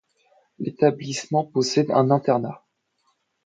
L'établissement possède un internat.